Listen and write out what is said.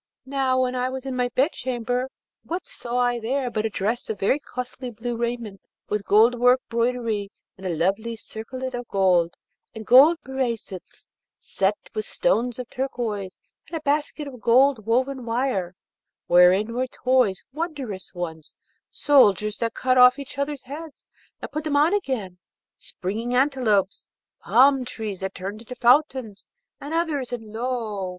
Now, when I was in my chamber, what saw I there but a dress of very costly blue raiment with gold work broidery and a lovely circlet of gold, and gold bracelets set with stones of turquoise, and a basket of gold woven wire, wherein were toys, wondrous ones soldiers that cut off each other's heads and put them on again, springing antelopes, palm trees that turned to fountains, and others; and lo!